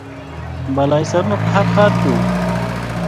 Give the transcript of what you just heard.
بالاحصارونه په هر ښار کې وو